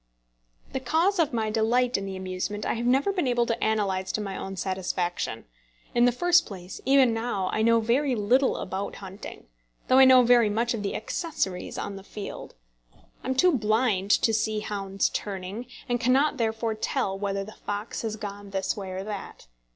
The cause of my delight in the amusement I have never been able to analyse to my own satisfaction. In the first place, even now, I know very little about hunting, though I know very much of the accessories of the field. I am too blind to see hounds turning, and cannot therefore tell whether the fox has gone this way or that.